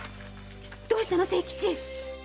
どうしたの清吉？